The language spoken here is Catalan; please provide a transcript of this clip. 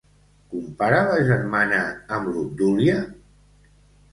Compara la germana amb l'Obdúlia?